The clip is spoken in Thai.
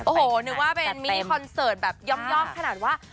โอ้โหนึกว่าเป็นมินิคอนเสิร์ตแบบย่อมขนาดว่า